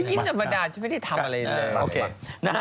ยิ้มธรรมดาฉันไม่ได้ทำอะไรเลย